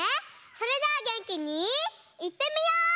それじゃあげんきにいってみよう！